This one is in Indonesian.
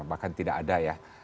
bahkan tidak ada ya